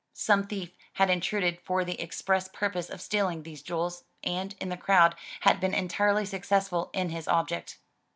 Some thief had intruded for the express purpose of stealing these jewels, and, in the crowd, had been entirely successful in his object.